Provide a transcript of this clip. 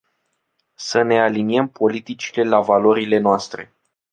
Să ne aliniem politicile la valorile noastre.